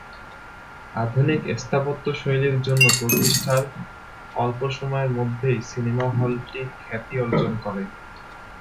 আধুনিক স্থাপত্যশৈলীর জন্য প্রতিষ্ঠার অল্প সময়ের মধ্যেই সিনেমা হলটি খ্যাতি অর্জন করে।